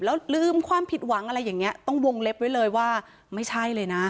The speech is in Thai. แล้วลืมความผิดหวังอะไรอย่างนี้ต้องวงเล็บไว้เลยว่าไม่ใช่เลยนะ